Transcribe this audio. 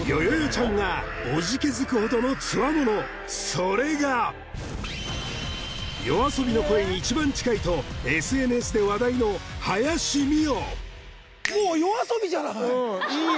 ちゃんがおじけづくほどのツワモノそれがＹＯＡＳＯＢＩの声に一番近いとＳＮＳで話題のはやしみお